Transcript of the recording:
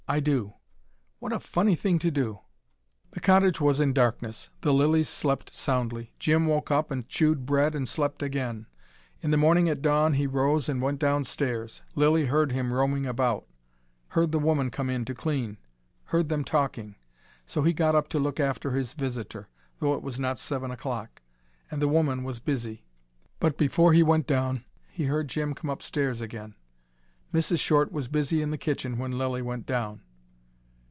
"I do." "What a funny thing to do." The cottage was in darkness. The Lillys slept soundly. Jim woke up and chewed bread and slept again. In the morning at dawn he rose and went downstairs. Lilly heard him roaming about heard the woman come in to clean heard them talking. So he got up to look after his visitor, though it was not seven o'clock, and the woman was busy. But before he went down, he heard Jim come upstairs again. Mrs. Short was busy in the kitchen when Lilly went down.